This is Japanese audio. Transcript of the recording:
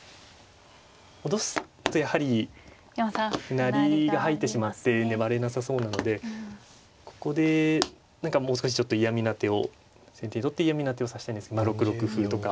歩成りが入ってしまって粘れなさそうなのでここで何かもう少しちょっと嫌みな手を先手にとって嫌みな手を指したいんですけど６六歩とか。